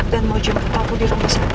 dan mau jemput aku di rumah sakit